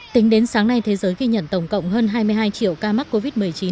tính đến sáng nay thế giới ghi nhận tổng cộng hơn hai mươi hai triệu ca mắc covid một mươi chín